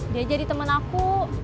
dia jadi temen aku